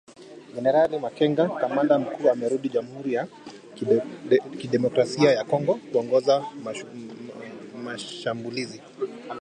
Generali Makenga, kamanda mkuu amerudi Jamhuri ya kidemokrasia ya Kongo kuongoza mashambulizi.